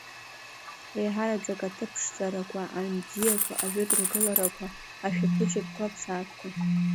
Еиҳараӡак аҭыԥ ԥшӡарақәа, аҩн бзиақәа, ажәытә ргыларақәа, ашәаԥыџьаԥқәа, аԥсаатәқәа.